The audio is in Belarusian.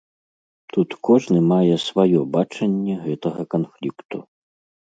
Тут кожны мае сваё бачанне гэтага канфлікту.